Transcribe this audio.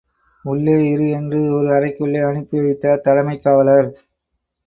உள்ளே இரு என்று ஒரு அறைக்குள்ளே அனுப்பி வைத்தார் தலைமைக் காவலர்.